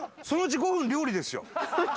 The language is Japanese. そのうち５分料理ですよ